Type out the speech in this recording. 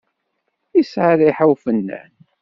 Yesɛa rriḥa ufennan.